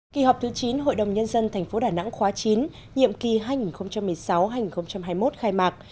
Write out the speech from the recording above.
kỳ họp thứ chín hội đồng nhân dân tp đà nẵng khóa chín nhiệm kỳ hai nghìn một mươi sáu hai nghìn hai mươi một khai mạc